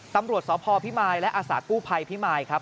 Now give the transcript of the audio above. ตำรวจสพพิมายและอาสากู้ภัยพิมายครับ